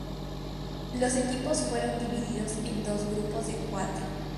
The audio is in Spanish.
Los equipos fueron divididos en dos grupos de cuatro.